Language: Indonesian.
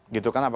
gitu kan apa